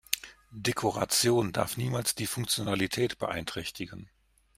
Dekoration darf niemals die Funktionalität beeinträchtigen.